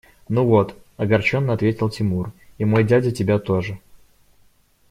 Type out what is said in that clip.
– Ну вот, – огорченно ответил Тимур, – и мой дядя тебя тоже!